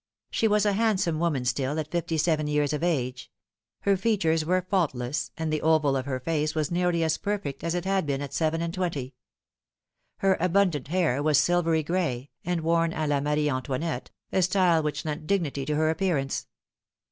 She was a handsome woman still, at fifty seven years of age. Her features were faultless, and the oval of her face was nearly as perfect as it had been at seven and twenty. Her abundant hair was silvery gray, and worn & la Marie Antoinette, a style which lent dignity to her appearance.